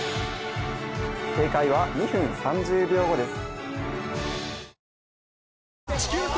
正解は２分３０秒後です